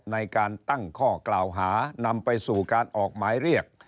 ในการตั้งข้อกล่าวหานำไปสู่การออกหมายเรียก